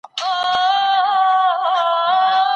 د زوجينو تر منځ د منځګړو ټاکل او د روغي تلاښ کول.